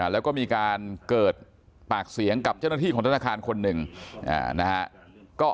แล้วก็มีการเกิดปากเสียงกับเจ้าหน้าที่ของธนาคารคนหนึ่งนะฮะ